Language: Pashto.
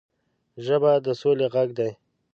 ژبه د سولې غږ دی